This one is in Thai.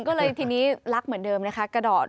ก็เลยทีนี้รักเหมือนเดิมนะคะ